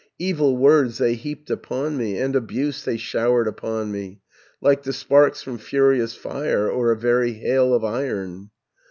Evil words they heaped upon me, And abuse they showered upon me, Like the sparks from furious fire, Or a very hail of iron.